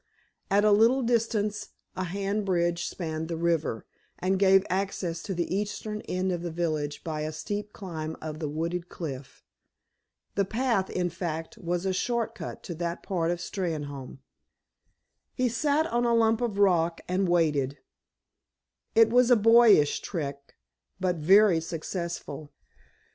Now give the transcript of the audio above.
At a little distance a hand bridge spanned the river, and gave access to the eastern end of the village by a steep climb of the wooded cliff. The path, in fact, was a short cut to that part of Steynholme. He sat on a hump of rock, and waited. It was a boyish trick, but very successful.